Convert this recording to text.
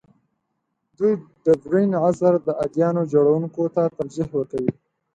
دوی ډبرین عصر د اديانو جوړونکو ته ترجیح ورکوي.